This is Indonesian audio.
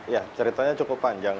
ya ceritanya cukup panjang